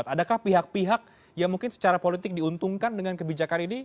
adakah pihak pihak yang mungkin secara politik diuntungkan dengan kebijakan ini